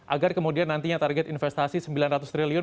agar kemudian nantinya target investasi rp sembilan ratus triliun